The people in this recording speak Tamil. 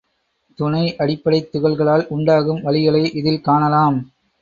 துணை அடிப்படைத் துகள்களால் உண்டாகும் வழிகளை இதில் காணலாம்.